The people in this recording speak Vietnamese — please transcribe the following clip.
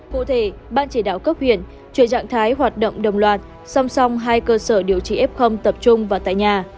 cụ thể ban chỉ đạo cấp huyện trừ dạng thái hoạt động đồng loạt song song hai cơ sở điều trị f tập trung và tại nhà